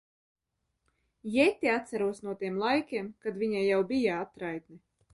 Jetti atceros no tiem laikiem, kad viņa jau bija atraitne.